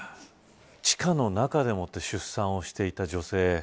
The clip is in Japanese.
地下の中で出産をしていた女性